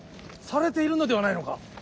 されているのではないのか。